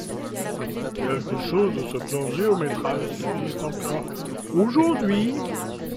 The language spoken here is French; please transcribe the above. Quelque chose de ce plan géométral subsiste encore aujourd’hui.